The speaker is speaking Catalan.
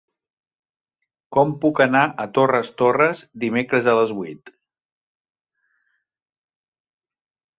Com puc anar a Torres Torres dimecres a les vuit?